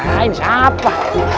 nah ini siapa